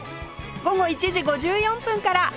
午後１時５４分から